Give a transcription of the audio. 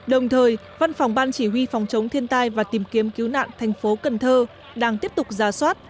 đồng thời văn phòng ban chỉ huy phòng chống thiên tai và tìm kiếm cứu nạn thành phố cần thơ đang tiếp tục giả soát